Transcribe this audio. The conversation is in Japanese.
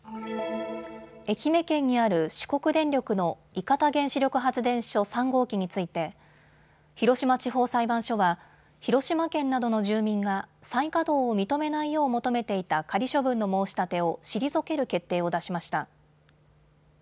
愛媛県にある四国電力の伊方原子力発電所３号機について広島地方裁判所は広島県などの住民が再稼働を認めないよう求めていた仮処分の申し立てを退ける決定を出しました。